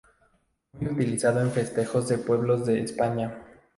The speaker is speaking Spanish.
Muy utilizado en festejos de pueblos de España.